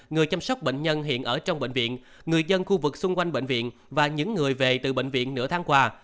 người chăm sóc bệnh nhân hiện ở trong bệnh viện người dân khu vực xung quanh bệnh viện và những người về từ bệnh viện nửa tháng qua